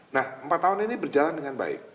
nah empat tahun ini berjalan dengan baik